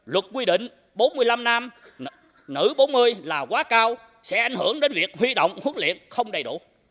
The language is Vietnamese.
luật quy định bốn mươi năm nam nữ bốn mươi là quá cao sẽ ảnh hưởng đến việc huy động huấn luyện không đầy đủ